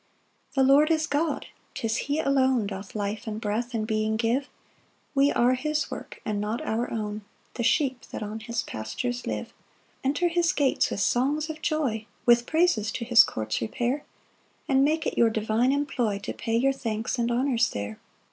2 The Lord is God; 'tis he alone Doth life, and breath, and being give: We are his work, and not our own; The sheep that on his pastures live. 3 Enter his gates with songs of joy, With praises to his courts repair, And make it your divine employ To pay your thanks and honours there.